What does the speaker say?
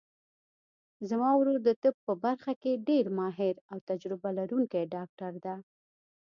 زما ورور د طب په برخه کې ډېر ماهر او تجربه لرونکی ډاکټر ده